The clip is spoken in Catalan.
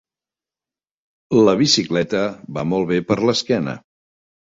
La bicicleta va molt bé per a l'esquena.